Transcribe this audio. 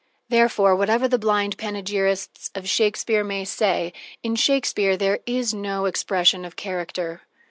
Therefore, whatever the blind panegyrists of Shakespeare may say, in Shakespeare there is no expression of character.